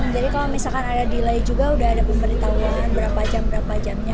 jadi kalau misalkan ada delay juga sudah ada pemberitahuan berapa jam berapa jamnya